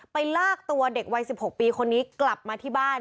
ลากตัวเด็กวัย๑๖ปีคนนี้กลับมาที่บ้าน